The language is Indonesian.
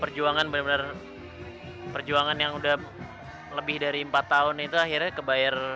perjuangan benar benar perjuangan yang udah lebih dari empat tahun itu akhirnya kebayar